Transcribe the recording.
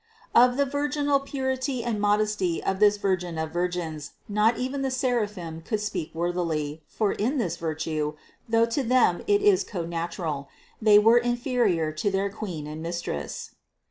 589. Of the virginal purity and modesty of this Vir gin of virgins not even the seraphim could speak worthily, for in this virtue, though to them it is co natural, they were inferior to their Queen and Mistress.